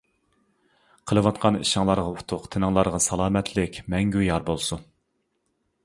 قىلىۋاتقان ئىشىڭلارغا ئۇتۇق تېنىڭلارغا سالامەتلىك مەڭگۈ يار بولسۇن!